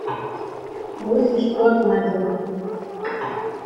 Grüß dich Gott, mein Sohn!